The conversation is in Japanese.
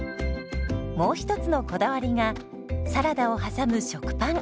もう一つのこだわりがサラダを挟む食パン。